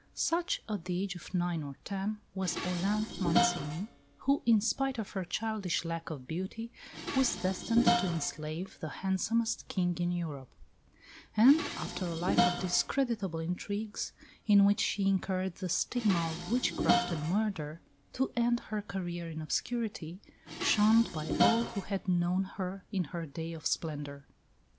Such, at the age of nine or ten, was Olympe Mancini, who, in spite of her childish lack of beauty, was destined to enslave the handsomest King in Europe; and, after a life of discreditable intrigues, in which she incurred the stigma of witchcraft and murder, to end her career in obscurity, shunned by all who had known her in her day of splendour.